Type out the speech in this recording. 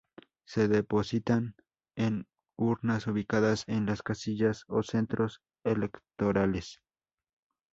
Se depositan en urnas ubicadas en las casillas o centros electorales.